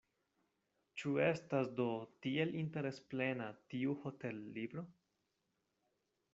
Ĉu estas do tiel interesplena tiu hotellibro?